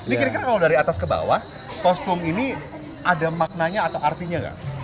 ini kira kira kalau dari atas ke bawah kostum ini ada maknanya atau artinya nggak